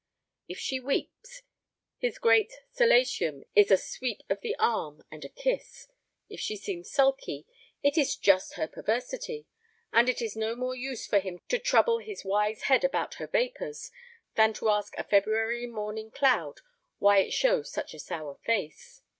If she weeps, his great solatium is a sweep of the arm and a kiss. If she seems sulky, it is just her perversity, and it is no more use for him to trouble his wise head about her vapors than to ask a February morning cloud why it shows such a sour face.